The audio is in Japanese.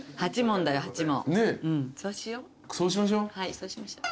そうしましょう。